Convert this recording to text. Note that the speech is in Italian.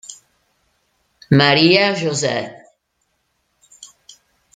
Maria José